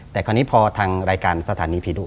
แต่คราวนี้พอทางรายการสถานีผีดุ